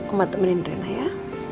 oma temenin rena ya